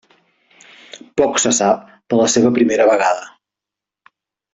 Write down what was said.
Poc se sap de la seva primera vegada.